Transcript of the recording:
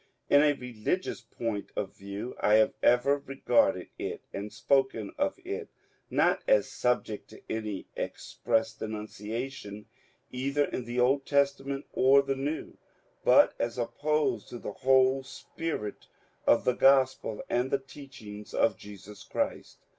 In a religious point of view I have ever regarded it and spoken of it, not as subject to any express denunciation either in the Old Testament or the new, but as opposed to the whole spirit of the Grospel and to the teachings of Jesus Christ.